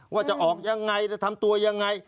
ว่าจะออกอย่างไรได้ทำตัวยังไง